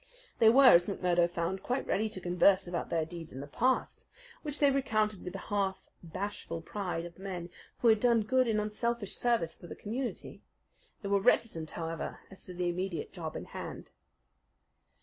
They were, as McMurdo found, quite ready to converse about their deeds in the past, which they recounted with the half bashful pride of men who had done good and unselfish service for the community. They were reticent, however, as to the immediate job in hand.